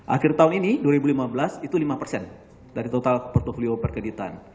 akhir tahun ini dua ribu lima belas itu lima persen dari total portfolio perkeditan